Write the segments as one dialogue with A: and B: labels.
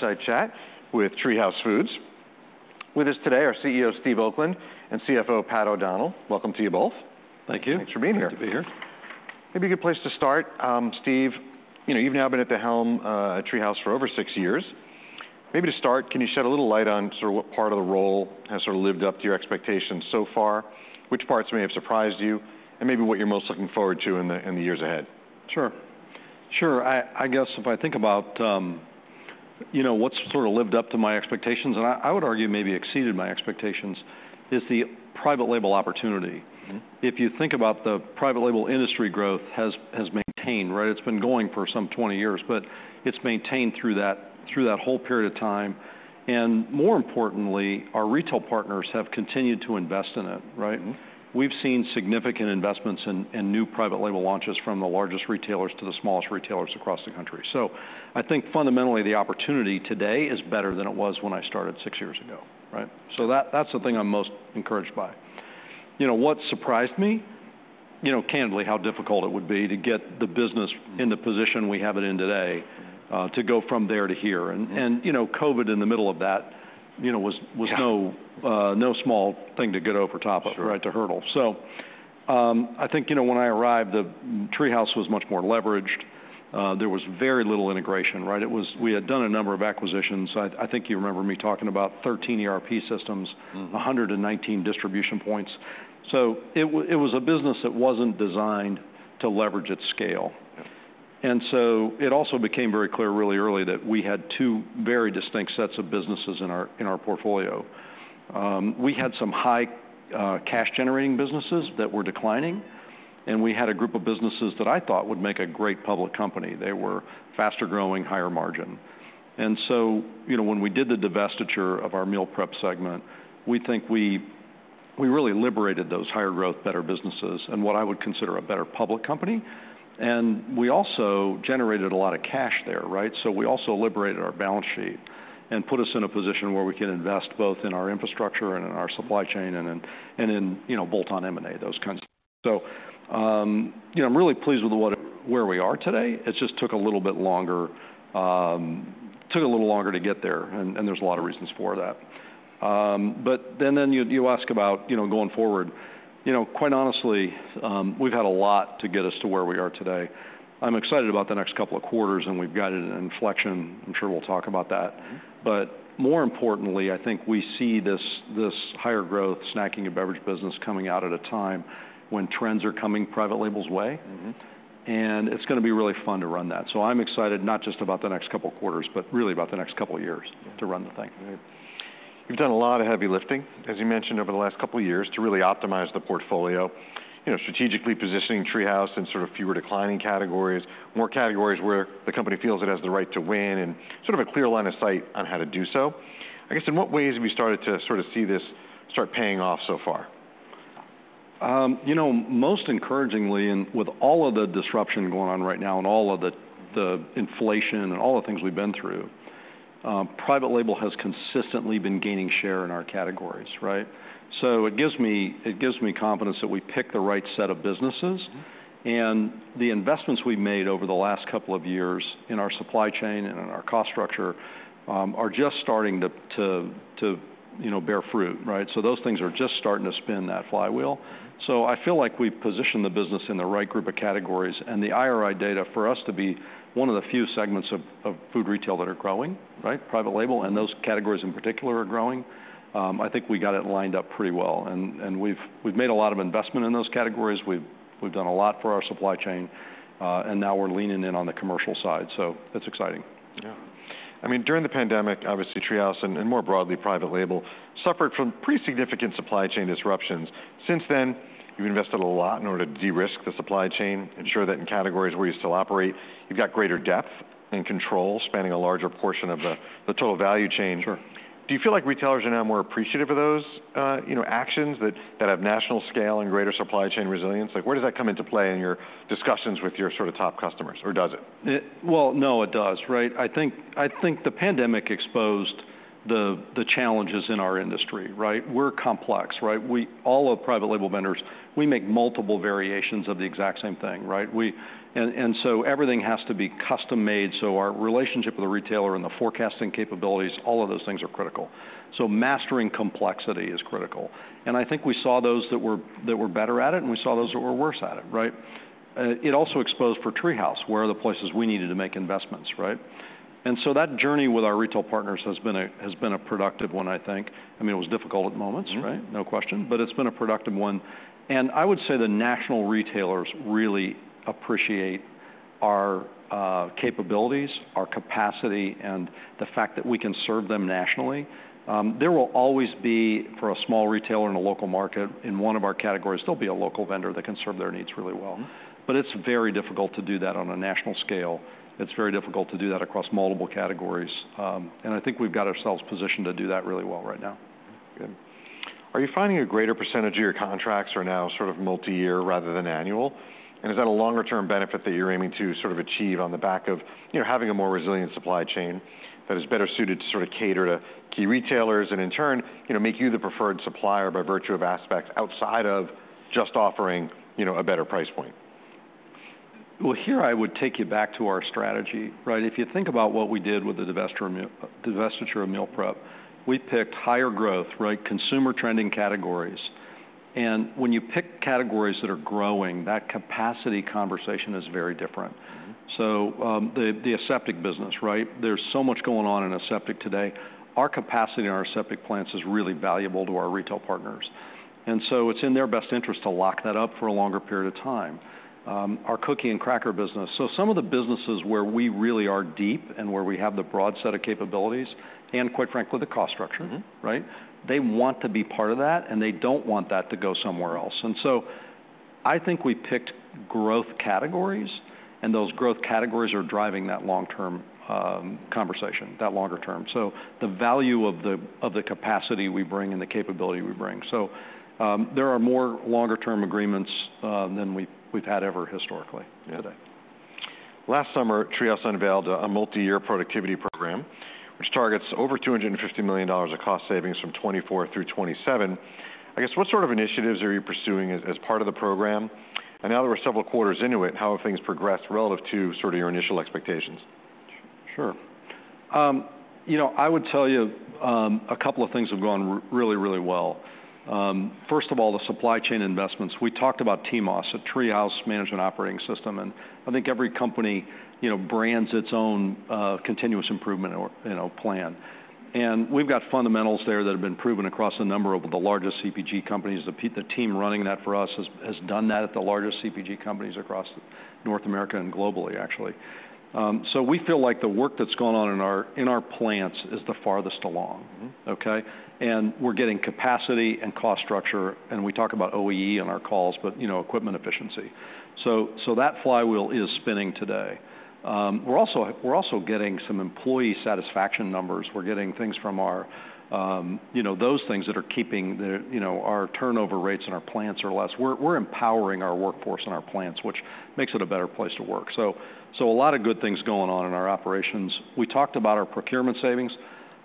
A: Fireside chat with TreeHouse Foods. With us today are CEO Steve Oakland and CFO Pat O'Donnell. Welcome to you both.
B: Thank you.
A: Thanks for being here.
B: Good to be here.
A: Maybe a good place to start, Steve, you know, you've now been at the helm at TreeHouse for over six years. Maybe to start, can you shed a little light on sort of what part of the role has sort of lived up to your expectations so far, which parts may have surprised you, and maybe what you're most looking forward to in the years ahead?
B: Sure. Sure, I guess if I think about, you know, what's sort of lived up to my expectations, and I would argue maybe exceeded my expectations, is the private label opportunity. If you think about the private label industry growth has maintained, right? It's been going for some 20 years, but it's maintained through that whole period of time. More importantly, our retail partners have continued to invest in it, right? We've seen significant investments in new private label launches from the largest retailers to the smallest retailers across the country. So I think fundamentally, the opportunity today is better than it was when I started six years ago, right? So that, that's the thing I'm most encouraged by. You know, what surprised me? You know, candidly, how difficult it would be to get the business in the position we have it in today, to go from there to here. You know, COVID in the middle of that, you know, was no small thing to get over top of right, to hurdle. So, I think, you know, when I arrived, TreeHouse was much more leveraged. There was very little integration, right? It was. We had done a number of acquisitions. I think you remember me talking about 13 ERP systems, 119 distribution points. So it was a business that wasn't designed to leverage its scale. It also became very clear really early that we had two very distinct sets of businesses in our portfolio. We had some high cash-generating businesses that were declining, and we had a group of businesses that I thought would make a great public company. They were faster growing, higher margin. You know, when we did the divestiture of our meal prep segment, we think we really liberated those higher growth, better businesses and what I would consider a better public company, and we also generated a lot of cash there, right? We also liberated our balance sheet and put us in a position where we can invest both in our infrastructure and in our supply chain and in you know, bolt-on M&A, those kinds. You know, I'm really pleased with where we are today. It just took a little bit longer, took a little longer to get there, and there's a lot of reasons for that. But then you ask about, you know, going forward. You know, quite honestly, we've had a lot to get us to where we are today. I'm excited about the next couple of quarters, and we've got an inflection. I'm sure we'll talk about that. But more importantly, I think we see this higher growth, snacking and beverage business coming out at a time when trends are coming private labels' way. And it's gonna be really fun to run that. So I'm excited not just about the next couple quarters, but really about the next couple years to run the thing.
A: You've done a lot of heavy lifting, as you mentioned, over the last couple of years, to really optimize the portfolio. You know, strategically positioning TreeHouse in sort of fewer declining categories, more categories where the company feels it has the right to win and sort of a clear line of sight on how to do so. I guess, in what ways have you started to sort of see this start paying off so far?
B: You know, most encouragingly, and with all of the disruption going on right now and all of the inflation and all the things we've been through. Private label has consistently been gaining share in our categories, right? So it gives me, it gives me confidence that we picked the right set of businesses. And the investments we've made over the last couple of years in our supply chain and in our cost structure are just starting to you know bear fruit, right? So those things are just starting to spin that flywheel. So I feel like we've positioned the business in the right group of categories, and the IRI data for us to be one of the few segments of food retail that are growing, right? Private label, and those categories in particular are growing. I think we got it lined up pretty well, and we've made a lot of investment in those categories. We've done a lot for our supply chain. And now we're leaning in on the commercial side, so that's exciting.
A: Yeah. I mean, during the pandemic obviously TreeHouse, and more broadly private label suffered from pretty significant supply chain disruptions. Since then, you've invested a lot in order to de-risk the supply chain, ensure that in categories where you still operate, you've got greater depth and control, spanning a larger portion of the total value chain.
B: Sure.
A: Do you feel like retailers are now more appreciative of those, you know, actions that have national scale and greater supply chain resilience? Like, where does that come into play in your discussions with your sort of top customers, or does it?
B: Well, no, it does, right? I think the pandemic exposed the challenges in our industry, right? We're complex, right? We, all of private label vendors, we make multiple variations of the exact same thing, right? And so everything has to be custom-made, so our relationship with the retailer and the forecasting capabilities, all of those things are critical. So mastering complexity is critical. And I think we saw those that were better at it, and we saw those that were worse at it, right? It also exposed for TreeHouse, where are the places we needed to make investments, right? And so that journey with our retail partners has been a productive one, I think. I mean, it was difficult at moments, right? No question, but it's been a productive one. And I would say the national retailers really appreciate our capabilities, our capacity, and the fact that we can serve them nationally. There will always be, for a small retailer in a local market, in one of our categories. There'll be a local vendor that can serve their needs really well. But it's very difficult to do that on a national scale. It's very difficult to do that across multiple categories. And I think we've got ourselves positioned to do that really well right now.
A: Good. Are you finding a greater percentage of your contracts are now sort of multi-year rather than annual? And is that a longer term benefit that you're aiming to sort of achieve on the back of, you know, having a more resilient supply chain that is better suited to sort of cater to key retailers and in turn, you know, make you the preferred supplier by virtue of aspects outside of just offering, you know, a better price point?
B: Here I would take you back to our strategy, right? If you think about what we did with the divestiture of meal, divestiture of meal prep, we picked higher growth, right, consumer trending categories. And when you pick categories that are growing, that capacity conversation is very different. So, the aseptic business, right? There's so much going on in aseptic today. Our capacity in our aseptic plants is really valuable to our retail partners. And so it's in their best interest to lock that up for a longer period of time. Our cookie and cracker business. So some of the businesses where we really are deep and where we have the broad set of capabilities and, quite frankly, the cost structure. Right? They want to be part of that, and they don't want that to go somewhere else. And so I think we picked growth categories, and those growth categories are driving that long-term conversation, that longer term. So the value of the capacity we bring and the capability we bring. So, there are more longer-term agreements than we've had ever historically today.
A: Yeah. Last summer, TreeHouse unveiled a multiyear productivity program, which targets over $250 million of cost savings from 2024-2027. I guess, what sort of initiatives are you pursuing as part of the program? And now that we're several quarters into it, how have things progressed relative to sort of your initial expectations?
B: Sure. You know, I would tell you a couple of things have gone really, really well. First of all, the supply chain investments. We talked about TMOS, so TreeHouse Management Operating System. And I think every company, you know, brands its own continuous improvement or, you know, plan. We've got fundamentals there that have been proven across a number of the largest CPG companies. The team running that for us has done that at the largest CPG companies across North America and globally, actually. So we feel like the work that's gone on in our plants is the farthest along. Okay? And we're getting capacity and cost structure, and we talk about OEE on our calls. But, you know, equipment efficiency. So, so that flywheel is spinning today. We're also, we're also getting some employee satisfaction numbers. We're getting things from our, you know, those things that are keeping the, you know, our turnover rates in our plants are less. We're, we're empowering our workforce in our plants, which makes it a better place to work. So, so a lot of good things going on in our operations. We talked about our procurement savings.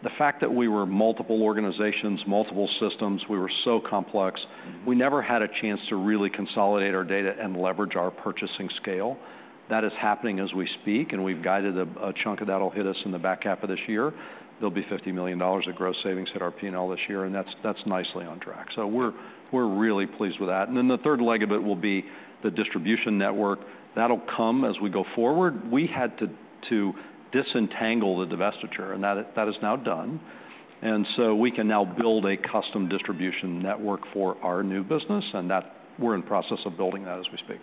B: The fact that we were multiple organizations, multiple systems, we were so complex. We never had a chance to really consolidate our data and leverage our purchasing scale. That is happening as we speak, and we've guided a chunk of that'll hit us in the back half of this year. There'll be $50 million of gross savings at our P&L this year, and that's nicely on track. So we're really pleased with that. And then the third leg of it will be the distribution network. That'll come as we go forward. We had to disentangle the divestiture, and that is now done, and so we can now build a custom distribution network for our new business, and that. We're in the process of building that as we speak.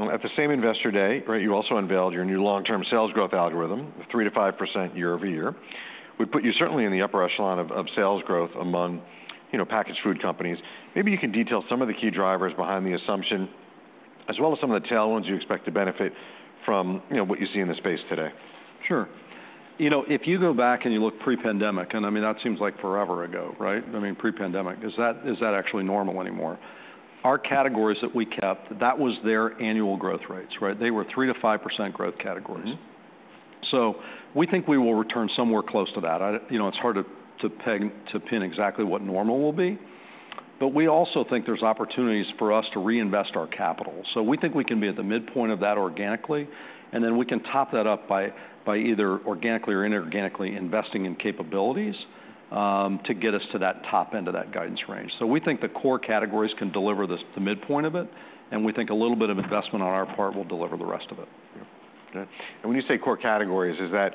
A: Great. At the same Investor Day, right, you also unveiled your new long-term sales growth algorithm, 3%-5% year-over-year, would put you certainly in the upper echelon of sales growth among, you know, packaged food companies. Maybe you can detail some of the key drivers behind the assumption, as well as some of the tailwinds you expect to benefit from, you know, what you see in the space today.
B: Sure. You know, if you go back and you look pre-pandemic, and, I mean, that seems like forever ago, right? I mean, pre-pandemic. Is that, is that actually normal anymore? Our categories that we kept, that was their annual growth rates, right? They were 3%-5% growth categories. So we think we will return somewhere close to that. I, you know, it's hard to peg, to pin exactly what normal will be. But we also think there's opportunities for us to reinvest our capital. So we think we can be at the midpoint of that organically. And then we can top that up by either organically or inorganically investing in capabilities, to get us to that top end of that guidance range. So we think the core categories can deliver this, the midpoint of it, and we think a little bit of investment on our part will deliver the rest of it.
A: Yeah. Okay, and when you say core categories, is that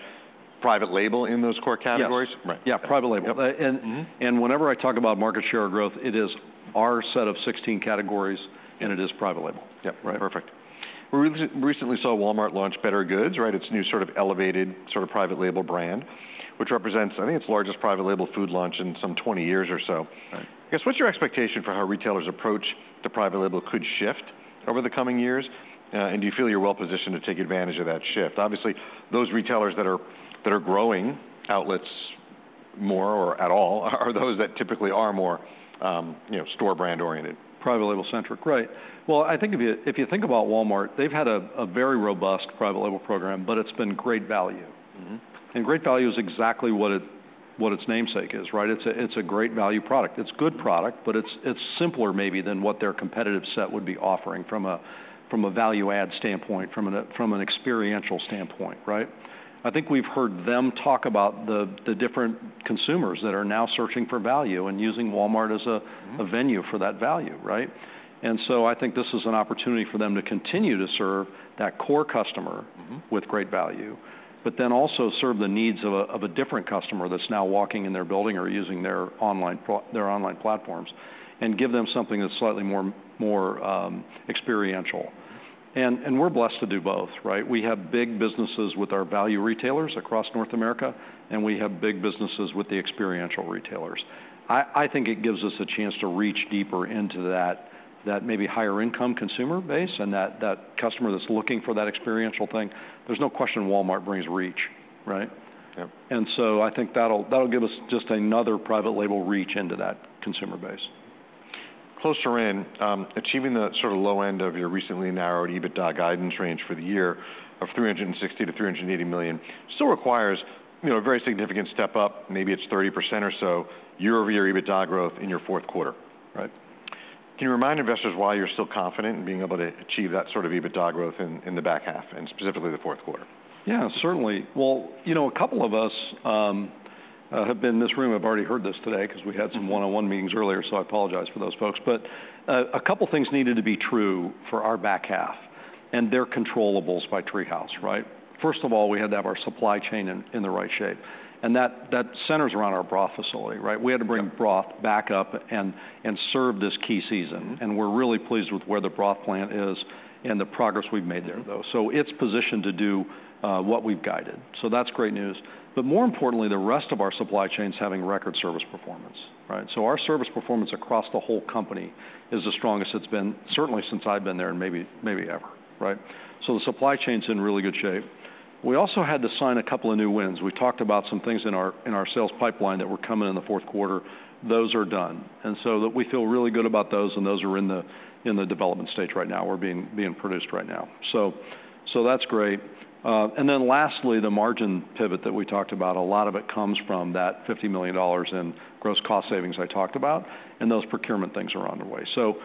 A: private label in those core categories?
B: Yes.
A: Right.
B: Yeah, private label.
A: Yep.
B: Whenever I talk about market share or growth, it is our set of 16 categories, and it is private label.
A: Yep.
B: Right?
A: Perfect. We recently saw Walmart launch bettergoods, right? Its new sort of elevated, sort of private label brand, which represents, I think, its largest private label food launch in some 20 years or so.
B: Right.
A: I guess, what's your expectation for how retailers approach to private label could shift over the coming years? And do you feel you're well-positioned to take advantage of that shift? Obviously, those retailers that are growing outlets more or at all are those that typically are more, you know, store brand-oriented.
B: Private label-centric, right. I think if you think about Walmart, they've had a very robust private label program, but it's been Great Value. And Great Value is exactly what its namesake is, right? It's a great value product. It's good product, but it's simpler maybe than what their competitive set would be offering from a value add standpoint, from an experiential standpoint, right? I think we've heard them talk about the different consumers that are now searching for value and using Walmart as a venue for that value, right? And so I think this is an opportunity for them to continue to serve that core customer with Great Value. But then also serve the needs of a different customer that's now walking in their building or using their online platforms, and give them something that's slightly more experiential. And we're blessed to do both, right? We have big businesses with our value retailers across North America, and we have big businesses with the experiential retailers. I think it gives us a chance to reach deeper into that maybe higher income consumer base and that customer that's looking for that experiential thing. There's no question Walmart brings reach, right?
A: Yep.
B: And so I think that'll give us just another private label reach into that consumer base.
A: Closer in achieving the sort of low end of your recently narrowed EBITDA guidance range for the year of $360 million-$380 million still requires, you know, a very significant step up, maybe it's 30% or so, year-over-year EBITDA growth in your fourth quarter, right? Can you remind investors why you're still confident in being able to achieve that sort of EBITDA growth in the back half and specifically the fourth quarter?
B: Yeah, certainly. Well, you know, a couple of us have been in this room have already heard this today, because we had some one-on-one meetings earlier, so I apologize for those folks. But, a couple things needed to be true for our back half, and they're controllables by TreeHouse, right? First of all, we had to have our supply chain in the right shape, and that centers around our broth facility, right?
A: Yeah.
B: We had to bring broth back up and serve this key season. And we're really pleased with where the broth plant is and the progress we've made there, though. So it's positioned to do what we've guided. So that's great news. But more importantly, the rest of our supply chain's having record service performance, right? So our service performance across the whole company is the strongest it's been, certainly since I've been there and maybe ever, right? So the supply chain's in really good shape. We also had to sign a couple of new wins. We talked about some things in our sales pipeline that were coming in the fourth quarter. Those are done, and so that we feel really good about those, and those are in the development stage right now or being produced right now. So that's great. And then lastly, the margin pivot that we talked about, a lot of it comes from that $50 million in gross cost savings I talked about, and those procurement things are on their way, so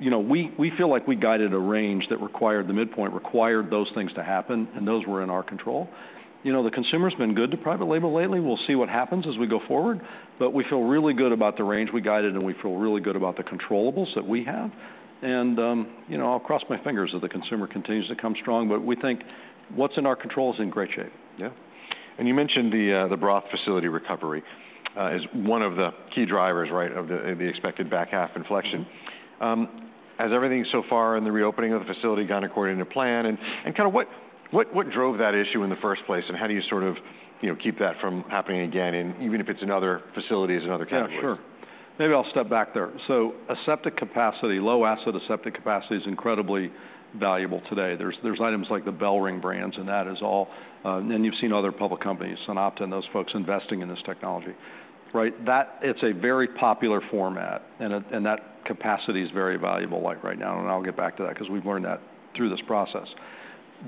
B: you know, we feel like we guided a range that required, the midpoint required those things to happen, and those were in our control. You know, the consumer's been good to private label lately. We'll see what happens as we go forward, but we feel really good about the range we guided, and we feel really good about the controllables that we have, and you know, I'll cross my fingers that the consumer continues to come strong, but we think what's in our control is in great shape.
A: Yeah. And you mentioned the broth facility recovery as one of the key drivers, right, of the expected back half inflection. Has everything so far in the reopening of the facility gone according to plan? And kind of what drove that issue in the first place, and how do you sort of, you know, keep that from happening again, and even if it's another facility, another category?
B: Yeah, sure. Maybe I'll step back there. So aseptic capacity, low-acid aseptic capacity is incredibly valuable today. There's, there's items like the BellRing Brands, and that is all. And you've seen other public companies, SunOpta. Those folks investing in this technology, right? That. It's a very popular format, and that capacity is very valuable, like right now. And I'll get back to that because we've learned that through this process.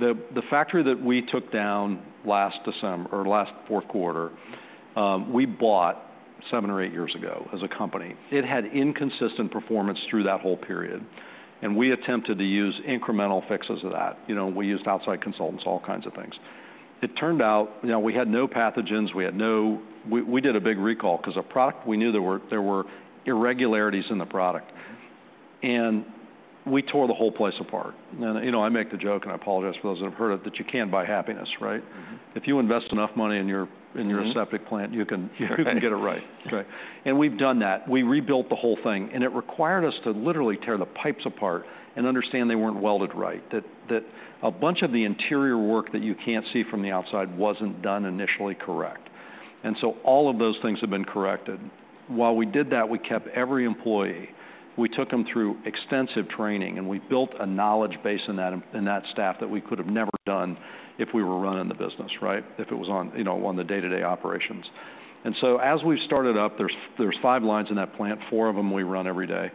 B: The factory that we took down last fourth quarter, we bought seven years or eight years ago as a company. It had inconsistent performance through that whole period, and we attempted to use incremental fixes of that. You know, we used outside consultants, all kinds of things. It turned out, you know, we had no pathogens, we had no. We did a big recall because a product, we knew there were irregularities in the product. And we tore the whole place apart. And you know, I make the joke, and I apologize for those that have heard it, that you can't buy happiness, right? If you invest enough money in your aseptic plant, you can get it right. That's right. And we've done that. We rebuilt the whole thing, and it required us to literally tear the pipes apart and understand they weren't welded right. That a bunch of the interior work that you can't see from the outside wasn't done initially correct. And so all of those things have been corrected. While we did that, we kept every employee. We took them through extensive training. We built a knowledge base in that staff that we could have never done if we were running the business, right? If it was on, you know, on the day-to-day operations. And so as we've started up, there's five lines in that plant. Four of them we run every day,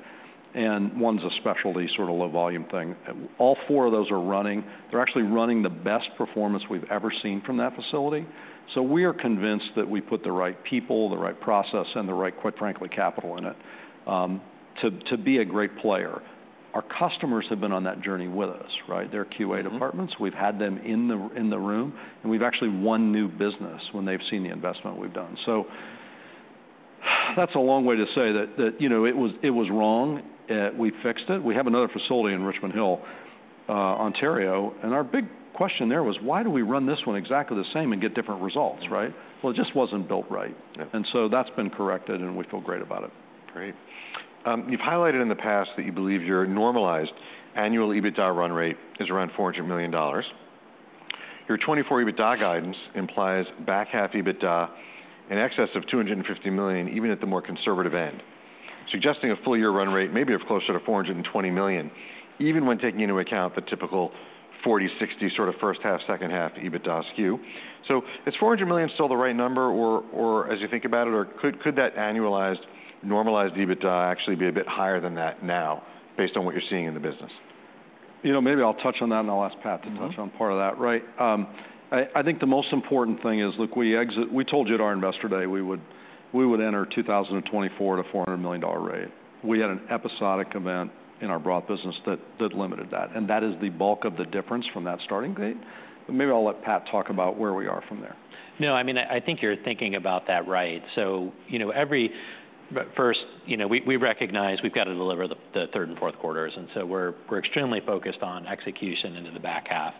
B: and one's a specialty, sort of low volume thing. All four of those are running. They're actually running the best performance we've ever seen from that facility. So we are convinced that we put the right people, the right process, and the right, quite frankly, capital in it to be a great player. Our customers have been on that journey with us, right? Their QA departments we've had them in the room, and we've actually won new business when they've seen the investment we've done. So that's a long way to say that, you know, it was wrong, we fixed it. We have another facility in Richmond Hill, Ontario, and our big question there was: Why do we run this one exactly the same and get different results, right? It just wasn't built right. And so that's been corrected, and we feel great about it.
A: Great. You've highlighted in the past that you believe your normalized annual EBITDA run rate is around $400 million. Your 2024 EBITDA guidance implies back half EBITDA in excess of $250 million, even at the more conservative end suggesting a full year run rate. Maybe of closer to $420 million, even when taking into account the typical 40%-60% sort of first half-second half EBITDA skew. So is $400 million still the right number, or, or as you think about it, or could, could that annualized normalized EBITDA actually be a bit higher than that now, based on what you're seeing in the business?
B: You know, maybe I'll touch on that, and I'll ask Pat to touch on part of that. Right. I think the most important thing is, look, we expected, we told you at our Investor Day, we would enter 2024 at a $400 million rate. We had an episodic event in our broth business that limited that. And that is the bulk of the difference from that starting gate. But maybe I'll let Pat talk about where we are from there.
C: No, I mean, I think you're thinking about that right. So you know, every but first, you know, we recognize we've got to deliver the third and fourth quarters, and so we're extremely focused on execution into the back half.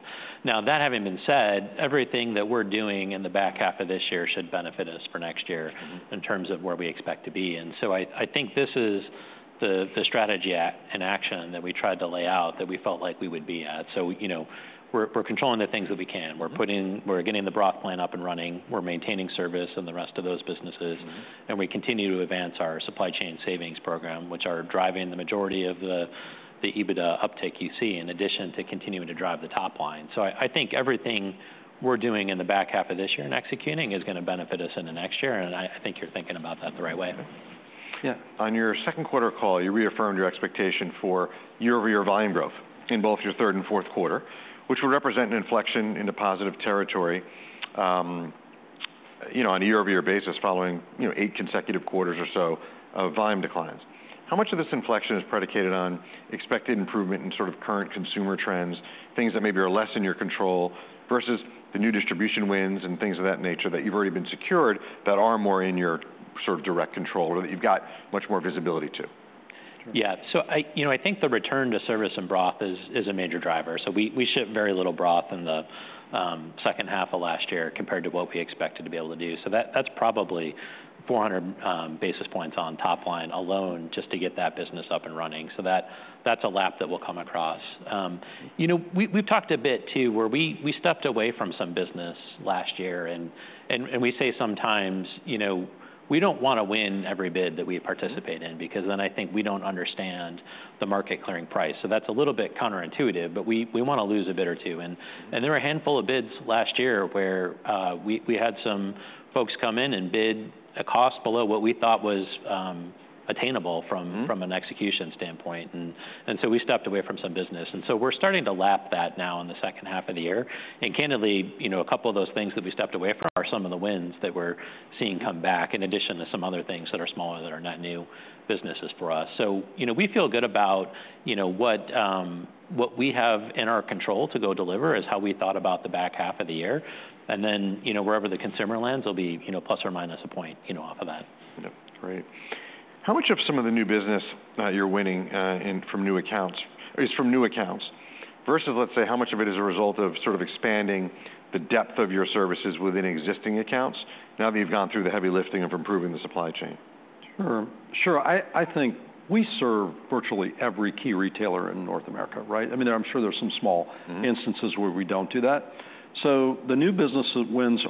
C: Now, that having been said, everything that we're doing in the back half of this year should benefit us for next year in terms of where we expect to be. And so I think this is the strategy in action that we tried to lay out that we felt like we would be at. So, you know, we're controlling the things that we can. We're getting the broth plant up and running, we're maintaining service and the rest of those businesses and we continue to advance our supply chain savings program, which are driving the majority of the EBITDA uptake you see, in addition to continuing to drive the top line. So I think everything we're doing in the back half of this year and executing is going to benefit us in the next year. And I think you're thinking about that the right way.
A: Yeah. On your second quarter call, you reaffirmed your expectation for year-over-year volume growth in both your third and fourth quarter, which would represent an inflection into positive territory, you know, on a year-over-year basis, following, you know, eight consecutive quarters or so of volume declines. How much of this inflection is predicated on expected improvement in sort of current consumer trends, things that maybe are less in your control, versus the new distribution wins and things of that nature that you've already been secured, that are more in your sort of direct control, or that you've got much more visibility to?
C: Yeah. So I, you know, I think the return to service in broth is a major driver. So we shipped very little broth in the second half of last year compared to what we expected to be able to do. So that's probably 400 basis points on top line alone, just to get that business up and running. So that's a lap that we'll come across. You know, we've talked a bit, too, where we stepped away from some business last year. And we say sometimes, you know, we don't wanna win every bid that we participate in, because then I think we don't understand the market clearing price. So that's a little bit counterintuitive, but we wanna lose a bid or two. There were a handful of bids last year where we had some folks come in and bid a cost below what we thought was attainable from an execution standpoint, and so we stepped away from some business. And so we're starting to lap that now in the second half of the year. And candidly, you know, a couple of those things that we stepped away from are some of the wins that we're seeing come back, in addition to some other things that are smaller, that are not new businesses for us. So, you know, we feel good about, you know, what, what we have in our control to go deliver, is how we thought about the back half of the year. And then, you know, wherever the consumer lands will be, you know, plus or minus a point, you know, off of that.
A: Yep, great. How much of some of the new business you're winning is from new accounts, versus, let's say, how much of it is a result of sort of expanding the depth of your services within existing accounts now that you've gone through the heavy lifting of improving the supply chain?
B: Sure. Sure, I think we serve virtually every key retailer in North America, right? I mean, I'm sure there's some small instances where we don't do that. So the new business wins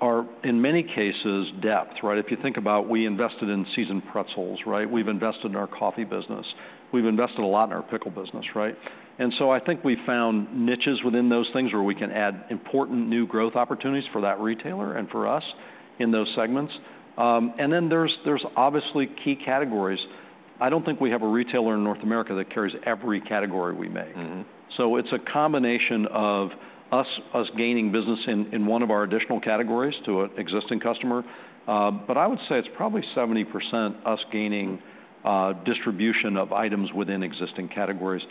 B: are, in many cases, depth, right? If you think about we invested in seasoned pretzels, right? We've invested in our coffee business. We've invested a lot in our pickle business, right? And so I think we've found niches within those things, where we can add important new growth opportunities for that retailer and for us in those segments. And then there's obviously key categories. I don't think we have a retailer in North America that carries every category we make. So it's a combination of us gaining business in one of our additional categories to an existing customer. But I would say it's probably 70% us gaining distribution of items within existing categories.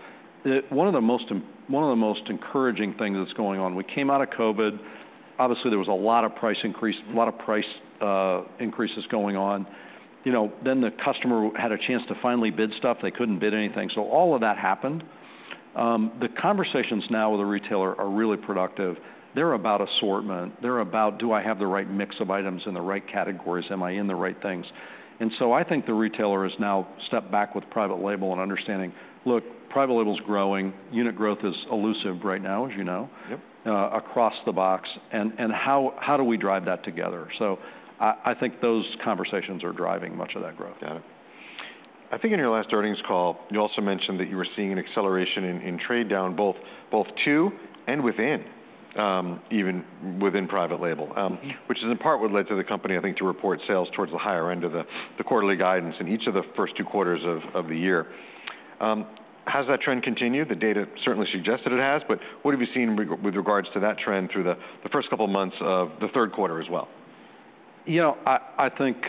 B: One of the most encouraging things that's going on, we came out of COVID. Obviously, there was a lot of price increases going on. You know, then the customer had a chance to finally bid stuff. They couldn't bid anything. So all of that happened. The conversations now with the retailer are really productive. They're about assortment. They're about, do I have the right mix of items in the right categories? Am I in the right things? And so I think the retailer has now stepped back with private label and understanding, look, private label is growing. Unit growth is elusive right now, as you know across the box, and how do we drive that together? So I think those conversations are driving much of that growth.
A: Got it. I think in your last earnings call, you also mentioned that you were seeing an acceleration in trade down, both to and within, even within private label which is in part what led to the company, I think, to report sales towards the higher end of the quarterly guidance in each of the first two quarters of the year. Has that trend continued? The data certainly suggests that it has, but what have you seen with regards to that trend through the first couple of months of the third quarter as well?
B: You know, I think.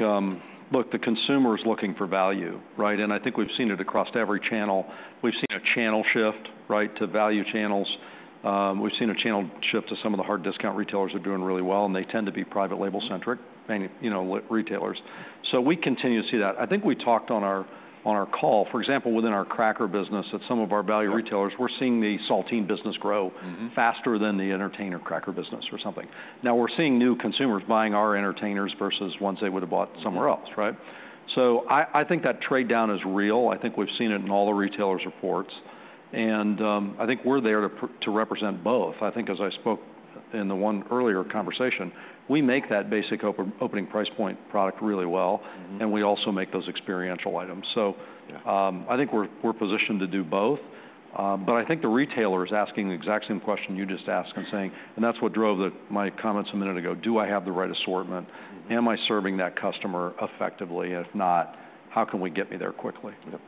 B: Look, the consumer is looking for value, right? And I think we've seen it across every channel. We've seen a channel shift, right, to value channels. We've seen a channel shift to some of the hard discount retailers are doing really well. And they tend to be private label-centric, many, you know, retailers. So we continue to see that. I think we talked on our call, for example, within our cracker business, that some of our value retailers we're seeing the saltine business grow faster than the entertainer cracker business or something. Now, we're seeing new consumers buying our entertainers versus ones they would've bought somewhere else, right? So I think that trade-down is real. I think we've seen it in all the retailers' reports, and I think we're there to represent both. I think as I spoke in the one earlier conversation, we make that basic opening price point product really well and we also make those experiential items. I think we're positioned to do both, but I think the retailer is asking the exact same question you just asked and saying, and that's what drove my comments a minute ago: Do I have the right assortment? Am I serving that customer effectively? And if not, how can we get me there quickly?
A: Yep.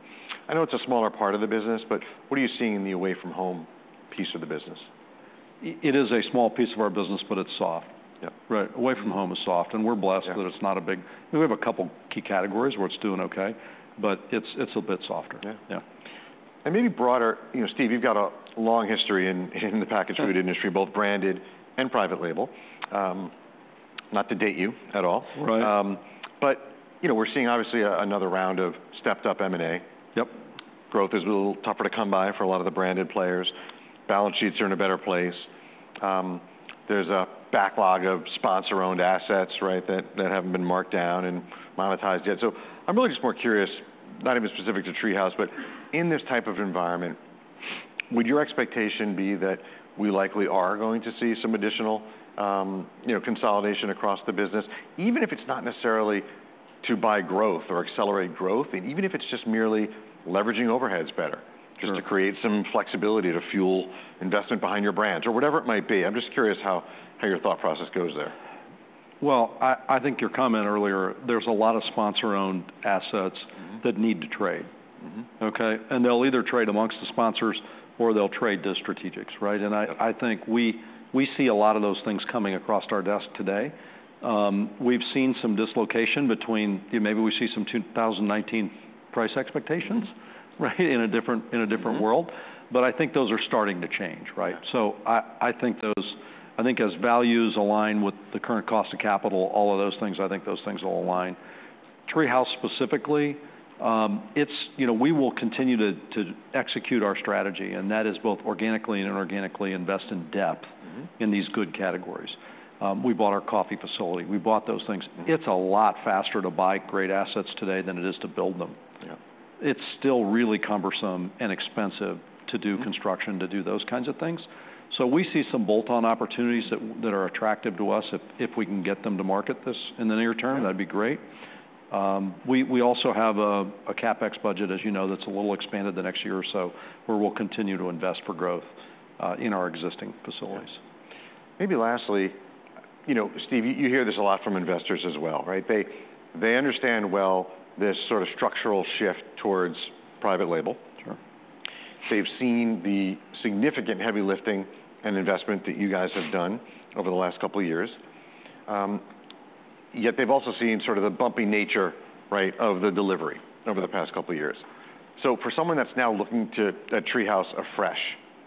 A: I know it's a smaller part of the business, but what are you seeing in the away from home piece of the business?
B: It is a small piece of our business, but it's soft. Right. Away from home is soft, and we're blessed that it's not a big. We have a couple key categories where it's doing okay, but it's a bit softer.
A: Maybe broader, you know, Steve, you've got a long history in the packaged food industry both branded and private label. Not to date you at all. But, you know, we're seeing obviously another round of stepped up M&A. Growth is a little tougher to come by for a lot of the branded players. Balance sheets are in a better place. There's a backlog of sponsor-owned assets, right, that haven't been marked down and monetized yet. So I'm really just more curious, not even specific to TreeHouse. But in this type of environment, would your expectation be that we likely are going to see some additional, you know, consolidation across the business. Even if it's not necessarily to buy growth or accelerate growth, and even if it's just merely leveraging overheads better just to create some flexibility to fuel investment behind your brands or whatever it might be? I'm just curious how, how your thought process goes there.
B: I think your comment earlier, there's a lot of sponsor-owned assets that need to trade. Okay? And they'll either trade amongst the sponsors or they'll trade the strategics, right? And I think we see a lot of those things coming across our desk today. We've seen some dislocation between, maybe we see some 2019 price expectations, right? In a different world. But I think those are starting to change, right? So I think as values align with the current cost of capital, all of those things, I think those things will align. TreeHouse specifically, it's, you know, we will continue to execute our strategy, and that is both organically and inorganically invest in depth in these good categories. We bought our coffee facility. We bought those things. It's a lot faster to buy great assets today than it is to build them. It's still really cumbersome and expensive to do construction, to do those kinds of things. So we see some bolt-on opportunities that are attractive to us. If we can get them to market this in the near term that'd be great. We also have a CapEx budget, as you know, that's a little expanded the next year or so, where we'll continue to invest for growth, in our existing facilities.
A: Yeah. Maybe lastly, you know, Steve, you hear this a lot from investors as well, right? They understand well this sort of structural shift towards private label. They've seen the significant heavy lifting and investment that you guys have done over the last couple of years. Yet they've also seen sort of the bumpy nature, right, of the delivery over the past couple of years. So for someone that's now looking to, at TreeHouse afresh,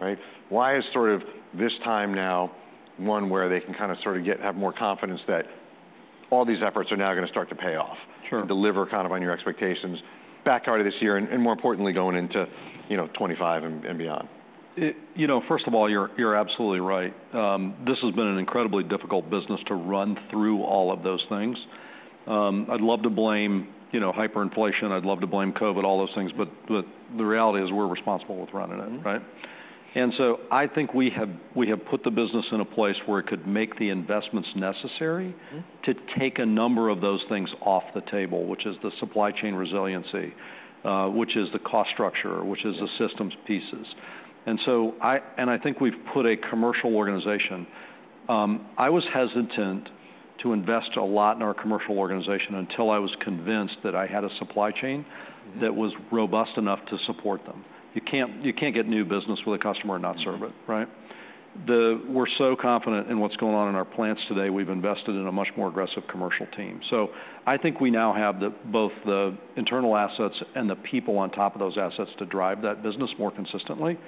A: right? Why is sort of this time now one where they can kind of sort of have more confidence that all these efforts are now gonna start to pay off deliver kind of on your expectations back already this year, and more importantly, going into, you know, 2025 and beyond?
B: It, you know, first of all, you're absolutely right. This has been an incredibly difficult business to run through all of those things. I'd love to blame, you know, hyperinflation. I'd love to blame COVID, all those things, but the reality is we're responsible with running it, right? And so I think we have put the business in a place where it could make the investments necessary to take a number of those things off the table, which is the supply chain resiliency, which is the cost structure which is the systems pieces. And so I think we've put a commercial organization. I was hesitant to invest a lot in our commercial organization until I was convinced that I had a supply chain that was robust enough to support them. You can't, you can't get new business with a customer and not serve it, right? We're so confident in what's going on in our plants today. We've invested in a much more aggressive commercial team. So I think we now have the both the internal assets and the people on top of those assets to drive that business more consistently,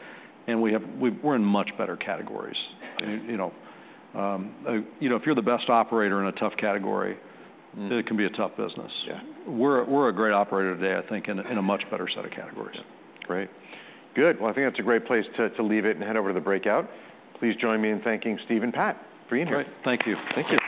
B: and we're in much better categories. You know, you know, if you're the best operator in a tough category it can be a tough business. We're a great operator today, I think, in a much better set of categories.
A: Yeah. Great. Good, well, I think that's a great place to leave it and head over to the breakout. Please join me in thanking Steve and Pat for being here.
B: Great.
C: Thank you.
A: Thank you.